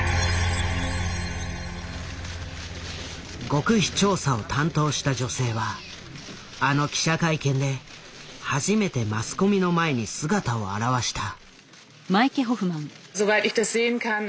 極秘調査を担当した女性はあの記者会見で初めてマスコミの前に姿を現した。